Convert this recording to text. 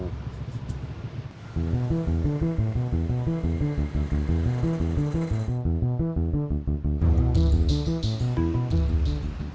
saya gak tahu